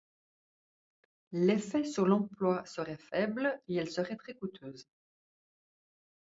L’effet sur l’emploi serait faible et elle serait très coûteuse.